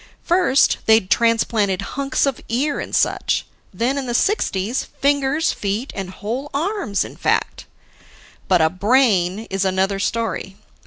First, they'd transplanted hunks of ear and such; then, in the '60s, fingers, feet, and whole arms in fact. But a brain is another story.